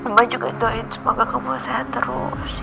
mbak juga doain semoga kamu sehat terus